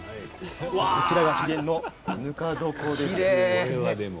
これが秘伝のぬか床です。